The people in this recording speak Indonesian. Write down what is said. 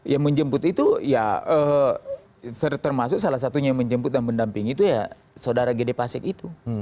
yang menjemput itu ya termasuk salah satunya yang menjemput dan mendampingi itu ya saudara gede pasek itu